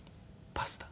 パスタ。